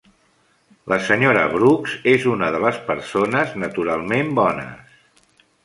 La senyora Brookes és una de les persones naturalment bones.